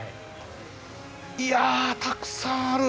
いやたくさんある！